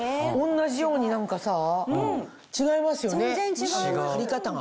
同じように何かさ違いますよね張り方が。